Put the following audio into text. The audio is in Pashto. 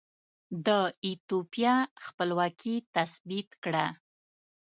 د ایتوپیا خپلواکي تثبیت کړه.